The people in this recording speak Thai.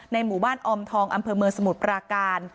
หมู่บ้านออมทองอำเภอเมืองสมุทรปราการ